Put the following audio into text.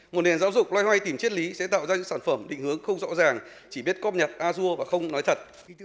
một nền giáo dục loay hoay tìm chiết lý sẽ tạo ra những sản phẩm định hướng không rõ ràng chỉ biết cóp nhật a dua và không nói thật